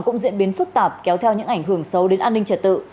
cũng diễn biến phức tạp kéo theo những ảnh hưởng sâu đến an ninh trật tự